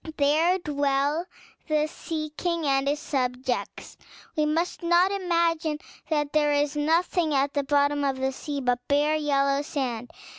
There dwell the Sea King and his subjects. We must not imagine that there is nothing at the bottom of the sea but bare yellow sand.